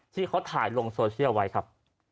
ที่เขาถ่ายลงโซเชียลไว้ครับ